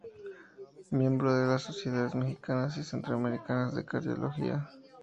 Miembro de las Sociedades Mexicanas y Centroamericana de Cardiología.